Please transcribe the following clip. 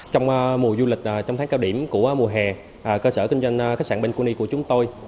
trong mùa du lịch trong tháng cao điểm của mùa hè cơ sở kinh doanh khách sạn bin kuny của chúng tôi